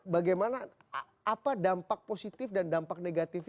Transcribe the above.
bagaimana apa dampak positif dan dampak negatifnya